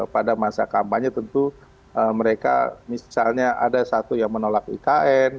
pada masa kampanye tentu mereka misalnya ada satu yang menolak ikn